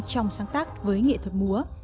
trong sáng tác với nghệ thuật múa